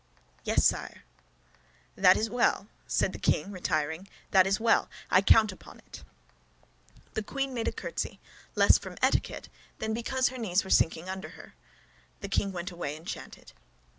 "Yes, sire." "That is well," said the king, retiring, "that is well; I count upon it." The queen made a curtsy, less from etiquette than because her knees were sinking under her. The king went away enchanted.